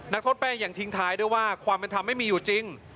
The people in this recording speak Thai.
นักโทษแป้งยังทิ้งท้ายด้วยว่าความเป็นธรรมไม่มีอยู่จริง